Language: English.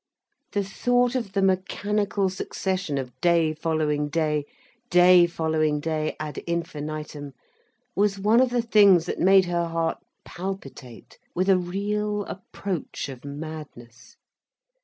The thought of the mechanical succession of day following day, day following day, ad infintum, was one of the things that made her heart palpitate with a real approach of madness.